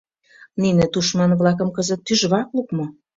Нине тушман-влакым кызыт тӱжвак лукмо.